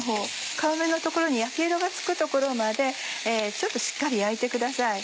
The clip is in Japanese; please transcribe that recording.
皮目の所に焼き色がつくところまでしっかり焼いてください。